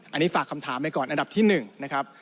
อันนี้ฝากคำถามไปก่อนอันดับที่๑นะครับ